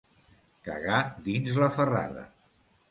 Cagar dins la ferrada.